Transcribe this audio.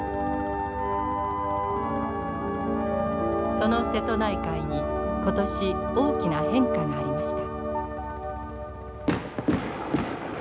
その瀬戸内海に今年大きな変化がありました。